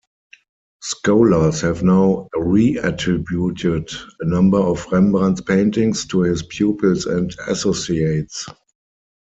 Scholars have now reattributed a number of Rembrandt's paintings to his pupils and associates.